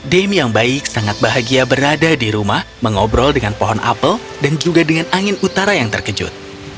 dame yang baik sangat bahagia berada di rumah mengobrol dengan pohon apel dan juga dengan angin utara yang terkejut